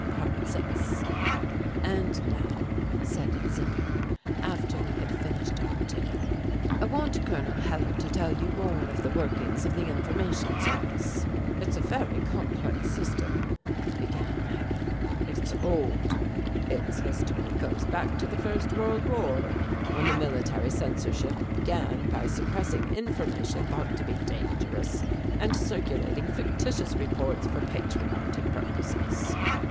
~6~ "And now," said Zimmern, after we had finished our dinner, "I want Col. Hellar to tell you more of the workings of the Information Service." "It is a very complex system," began Hellar. "It is old. Its history goes back to the First World War, when the military censorship began by suppressing information thought to be dangerous and circulating fictitious reports for patriotic purposes.